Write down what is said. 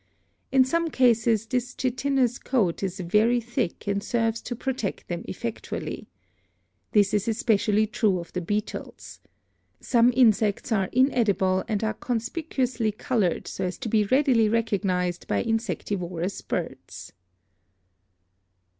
In some cases this chitinous coat is very thick and serves to protect them effectually. This is espe cially true of the beetles. Some insects are inedible and are conspicuously colored so as to be readily recognised by insectivorous birds.